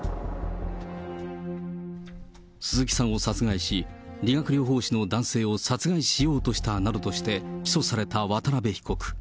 鈴木さんを殺害し、理学療法士の男性を殺害しようとしたなどとして、起訴された渡辺被告。